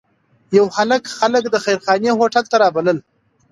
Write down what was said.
یو هلک خلک د خیرخانې هوټل ته رابلل.